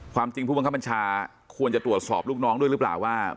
ความจริงผู้บังคับบัญชาควรจะตรวจสอบลูกน้องด้วยหรือเปล่าว่า